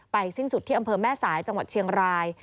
สิ้นสุดที่อำเภอแม่สายจังหวัดเชียงราย